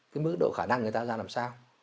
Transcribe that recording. cái mức độ khả năng người ta ra làm sao